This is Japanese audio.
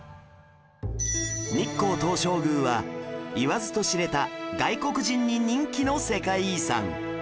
日光東照宮は言わずと知れた外国人に人気の世界遺産